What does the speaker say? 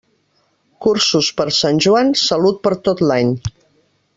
Cursos per Sant Joan, salut per a tot l'any.